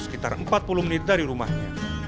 sekitar empat puluh menit dari rumahnya